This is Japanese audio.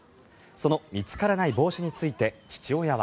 その見つからない帽子について父親は。